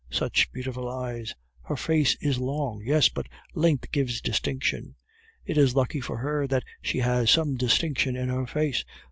"Such beautiful eyes!" "Her face is long." "Yes, but length gives distinction." "It is lucky for her that she has some distinction in her face.